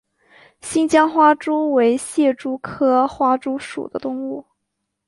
新疆花蛛为蟹蛛科花蛛属的动物。